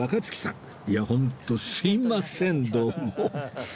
いや本当すみませんどうも